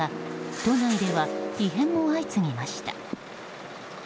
都内では異変も相次ぎました。